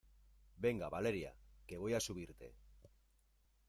venga, Valeria , que voy a subirte.